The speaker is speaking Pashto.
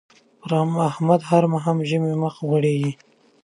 پر احمد هر ماښام په ژمي مخ غوړېږي.